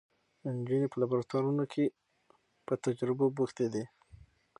نجونې په لابراتوارونو کې په تجربو بوختې دي.